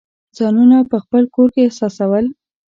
ځانونه په خپل کور کې احساسول.